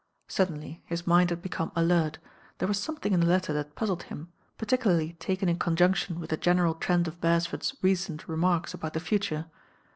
Suddenly his mind had become alert, there was something in the letter that puzzled him, particu larly taken m conjunction with the general trend of Beresford s recent remarks about the future.